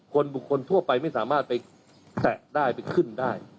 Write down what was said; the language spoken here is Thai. บุคคลบุคคลทั่วไปไม่สามารถไปแตะได้ไปขึ้นได้